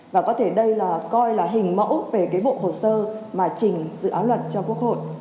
và có thể đây là coi là hình mẫu về cái bộ hồ sơ mà chỉnh dự án luật cho quốc hội